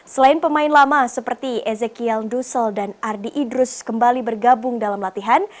selain pemain lama seperti ezekiel dusel dan ardi idrus kembali bergabung dalam latihan